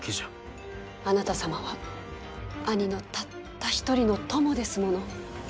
あなた様は兄のたった一人の友ですもの。